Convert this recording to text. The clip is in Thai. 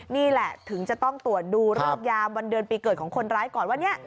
นี่แหละถึงจะต้องตรวจดูเริกยามวันเดือนปีเกิดของคนร้ายก่อนว่าเนี่ย